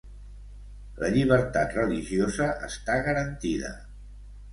La llibertat religiosa està garantida.